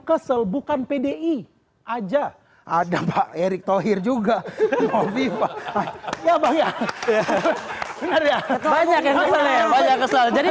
kesel bukan pdi aja ada pak erik thohir juga ngomong ngomong ya banyak banyak kesel kesel jadi